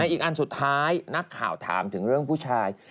อีกอันสุดท้ายนักข่าวถามถึงเรื่องผู้ชาย